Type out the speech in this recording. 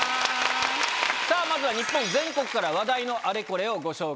まずは日本全国から話題のあれこれをご紹介します。